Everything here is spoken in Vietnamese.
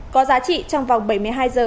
có giá trị trong vòng bảy mươi hai giờ